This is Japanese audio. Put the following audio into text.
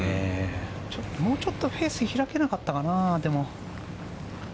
もうちょっとフェースを開けなかったかな。